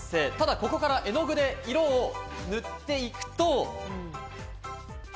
ここから絵の具で色を塗っていくと。